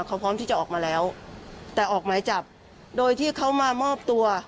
เขาพร้อมที่จะออกมาแล้วแต่ออกหมายจับโดยที่เขามามอบตัว